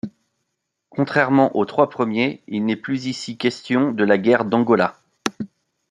Contrairement aux trois premiers, il n'est plus ici question de la guerre d'Angola.